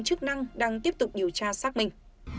chức năng đang tiếp tục điều tra xác minh